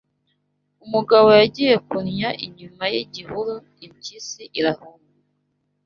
Umugabo yagiye kunnya inyuma y'igihuru impyisi irahuma